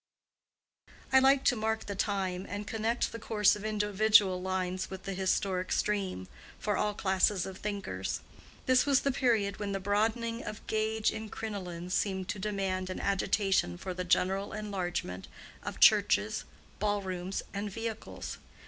I like to mark the time, and connect the course of individual lives with the historic stream, for all classes of thinkers. This was the period when the broadening of gauge in crinolines seemed to demand an agitation for the general enlargement of churches, ball rooms, and vehicles.